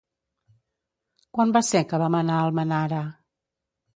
Quan va ser que vam anar a Almenara?